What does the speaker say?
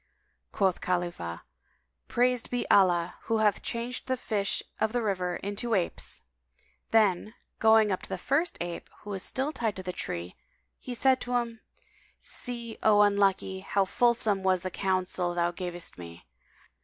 Quoth Khalifah, "Praised be Allah who hath changed the fish of the river into apes!" [FN#188] then, going up to the first ape, who was still tied to the tree, he said to him, "See, O unlucky, how fulsome was the counsel thou gavest me!